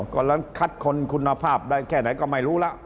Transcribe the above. กำลังคัดคนคุณภาพได้แค่ไหนก็ไม่รู้แล้ว